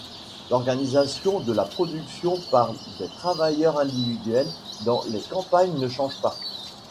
L'organisation de la production par des travailleurs individuels dans les campagnes ne change pas.